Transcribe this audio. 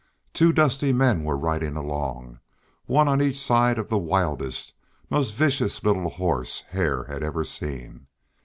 Two dusty men were riding along, one on each side of the wildest, most vicious little horse Hare had ever seen.